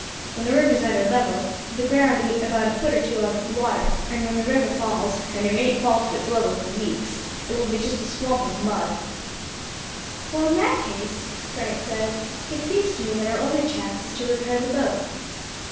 When the river is at her level the ground ain't about a foot or two out of water, and when the river falls and it mayn't fall to its level for weeks it will just be a swamp of mud." [Illustration: A FLOOD ON THE MISSISSIPPI.] "Well, in that case," Frank said, "it seems to me that our only chance is to repair the boat."